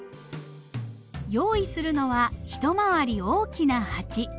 用意するのは一回り大きな鉢。